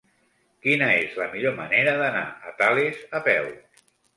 Quina és la millor manera d'anar a Tales a peu?